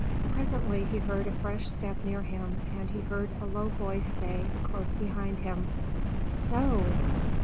Presently he heard a fresh step near him, and he heard a low voice say, close behind him, "So!"